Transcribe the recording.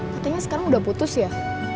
katanya sekarang udah putus ya